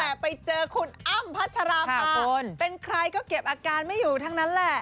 แต่ไปเจอคุณอ้ำพัชราภาคุณเป็นใครก็เก็บอาการไม่อยู่ทั้งนั้นแหละ